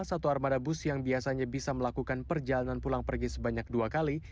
satu armada bus yang biasanya bisa melakukan perjalanan pulang pergi sebanyak dua kali